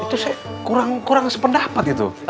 nih itu saya kurang kurang sependapat ya tuh